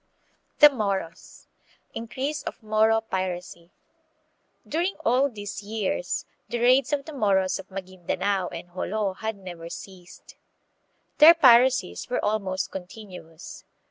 l The Moros. Increase of Moro Piracy. During all these years the raids of the Moros of Magindanao and Jolo had never ceased. Their piracies were almost con tinuous.